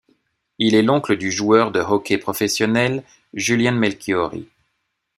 Il est l'oncle du joueur de hockey professionnel, Julian Melchiori.